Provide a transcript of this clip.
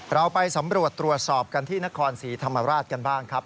เราไปสำรวจตรวจสอบกันที่นครศรีธรรมราชกันบ้างครับ